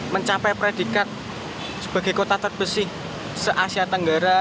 mencapai predikat sebagai kota terbersih se asia tenggara